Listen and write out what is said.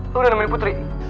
lu udah nemuin putri